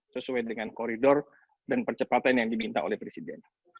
sesuai dengan koridor dan percepatan yang diminta oleh presiden